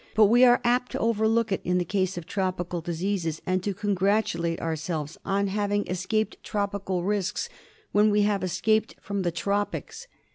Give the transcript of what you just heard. But we are apt to overlook it in the case of tropical diseases, and to congratulate our selves on having escaped tropical risks when we have "escaped from the tropics.